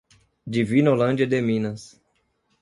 Divinolândia de Minas